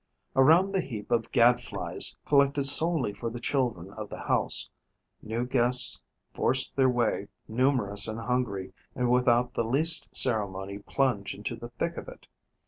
Around the heap of Gad flies, collected solely for the children of the house, new guests force their way, numerous and hungry, and without the least ceremony plunge into the thick of it.